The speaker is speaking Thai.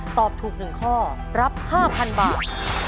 ตอบถูก๑ข้อรับ๕๐๐๐บาท